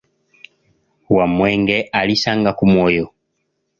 Wamwenge alisanga ku mwoyo.